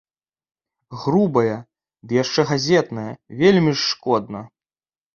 Грубая, ды яшчэ газетная, вельмі ж шкодна.